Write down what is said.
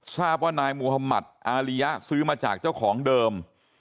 ทราบว่านายมุธมัติอาริยะซื้อมาจากเจ้าของเดิม